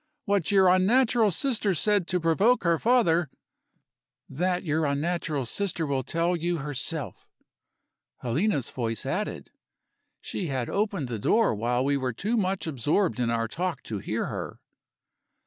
What your unnatural sister said to provoke her father " "That your unnatural sister will tell you herself," Helena's voice added. She had opened the door while we were too much absorbed in our talk to hear her.